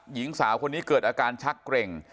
หญิงสาวคนนี้เกิดอาการชักเกร็ง